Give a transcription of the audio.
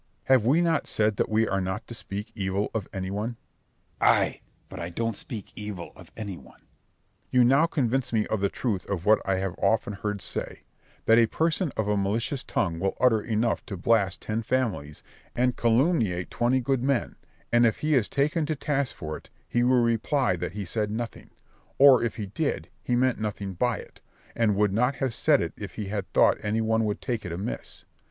Berg. Have we not said that we are not to speak evil of any one? Scip. Ay, but I don't speak evil of any one. Berg. You now convince me of the truth of what I have often heard say, that a person of a malicious tongue will utter enough to blast ten families, and calumniate twenty good men; and if he is taken to task for it, he will reply that he said nothing; or, if he did, he meant nothing by it, and would not have said it if he had thought any one would take it amiss.